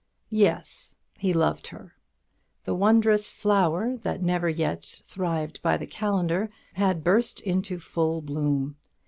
Yes, he loved her; the wondrous flower that never yet "thrived by the calendar" had burst into full bloom.